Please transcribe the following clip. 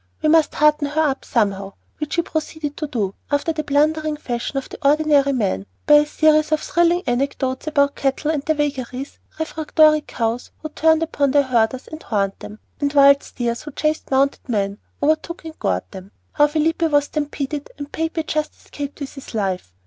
"We must hearten her up somehow," which he proceeded to do, after the blundering fashion of the ordinary man, by a series of thrilling anecdotes about cattle and their vagaries, refractory cows who turned upon their herders and "horned" them, and wild steers who chased mounted men, overtook and gored them; how Felipe was stampeded and Pepe just escaped with his life.